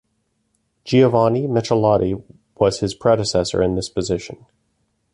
Giovanni Michelotti was his predecessor in this position.